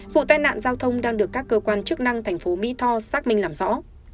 vụ tai nạn giao thông đang được các cơ quan chức năng thành phố mỹ tho xác minh làm rõ